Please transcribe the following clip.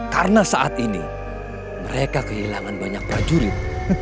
karena saat ini mereka kehilangan banyak prajurit